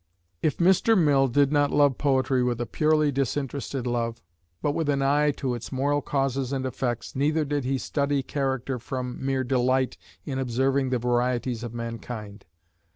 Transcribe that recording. If Mr. Mill did not love poetry with a purely disinterested love, but with an eye to its moral causes and effects, neither did he study character from mere delight in observing the varieties of mankind.